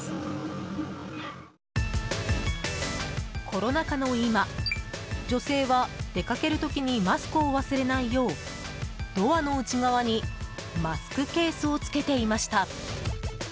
コロナ禍の今女性は出かける時にマスクを忘れないようドアの内側にマスクケースをつけていました。